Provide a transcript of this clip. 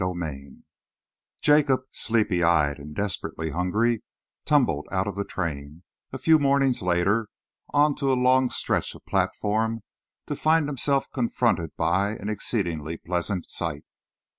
CHAPTER XX Jacob, sleepy eyed and desperately hungry, tumbled out of the train, a few mornings later, on to a lone stretch of platform, to find himself confronted by an exceedingly pleasant sight.